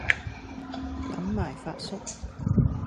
等埋發叔